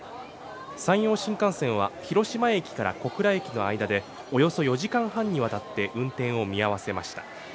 山陽新幹線は、広島駅から小倉駅の間でおよそ４時間半にわたって運転を見合わせました。